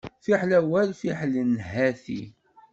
Fiḥel awal fiḥel nhati.